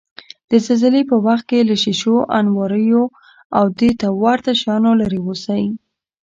د زلزلې په وخت کې له شیشو، انواریو، او دېته ورته شیانو لرې اوسئ.